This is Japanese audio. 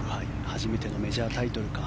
初めてのメジャータイトルか